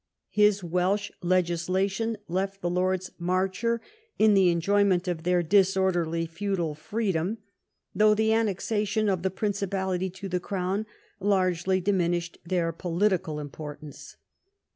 His Welsh legislation left the Lords Marcher in the enjoyment of their dis orderly feudal freedom, though the annexation of the Principality to the crown largely diminished their political importance.